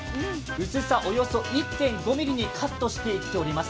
薄さおよそ１．５ｍｍにカットしています。